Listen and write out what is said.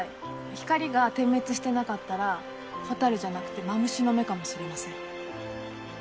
光が点滅してなかったら蛍じゃなくてマムシの目かもしれません。